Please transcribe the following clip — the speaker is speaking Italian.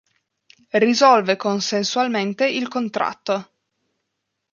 Risolve consensualmente il contratto.